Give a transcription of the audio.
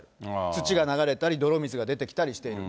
土が流れたり、泥水が出てきたりしている。